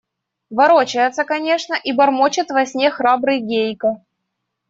Ворочается, конечно, и бормочет во сне храбрый Гейка.